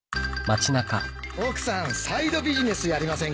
奥さんサイドビジネスやりませんか？